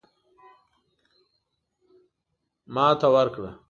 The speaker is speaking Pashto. ماته ورکړه.